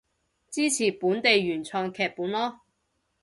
支持本地原創劇本囉